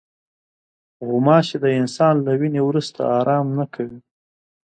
غوماشې د انسان له وینې وروسته آرام نه کوي.